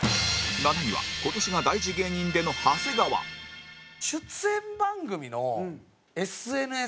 ７位は今年が大事芸人での長谷川森田：出演番組のＳＮＳ。